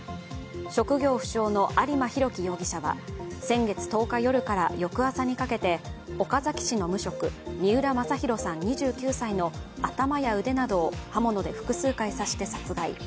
職業不詳の有馬滉希容疑者は先月１０日夜から翌朝にかけて岡崎市の無職、三浦正裕さん２９歳の頭や腕などを刃物で複数回刺して殺害。